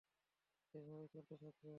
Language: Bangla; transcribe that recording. এভাবেই চলতে থাকবে?